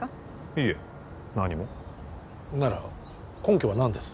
いいえ何もなら根拠は何です？